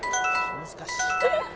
「難しい」